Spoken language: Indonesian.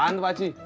apaan tuh pak ji